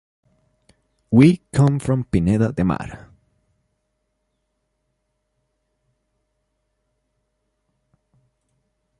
We come from Pineda de Mar.